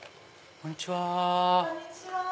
こんにちは。